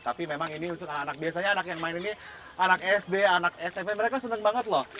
tapi memang ini untuk anak anak biasanya anak yang main ini anak sd anak smp mereka senang banget loh